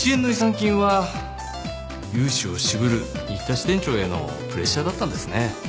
金は融資を渋る新田支店長へのプレッシャーだったんですね。